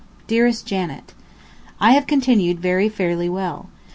DEAREST JANET, I have continued very fairly well.